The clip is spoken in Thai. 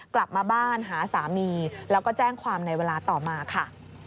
กลับมาบ้านหาสามีแล้วก็แจ้งความในเวลาต่อมาค่ะ